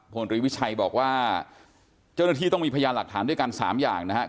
พลตรีวิชัยบอกว่าเจ้าหน้าที่ต้องมีพยานหลักฐานด้วยกัน๓อย่างนะครับ